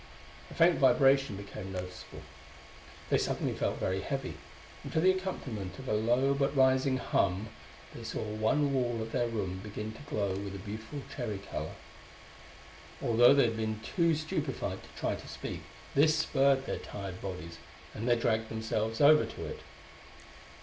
A faint vibration became noticeable; they suddenly felt very heavy; and to the accompaniment of a low but rising hum they saw one wall of their room begin to glow with a beautiful cherry color. Although they had been too stupefied to try to speak, this spurred their tired bodies, and they dragged themselves over to it.